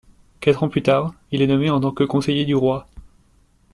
Quatre ans plus tard, il est nommé en tant que conseiller du roi.